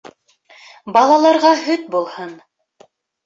Балаларға һөт булһын.